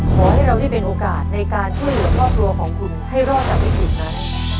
ขอให้เราได้เป็นโอกาสในการช่วยเหลือครอบครัวของคุณให้รอดจากวิกฤตนั้น